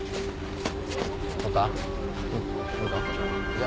・じゃ